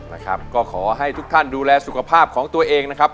นะครับก็ขอให้ทุกท่านดูแลสุขภาพของตัวเองนะครับ